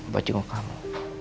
buat juga kamu